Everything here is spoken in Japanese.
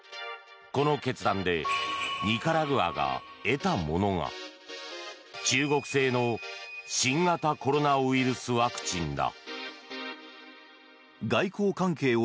この決断でニカラグアが得たものが中国製の新型コロナウイルスワクチンだ。